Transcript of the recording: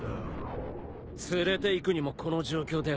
連れていくにもこの状況では。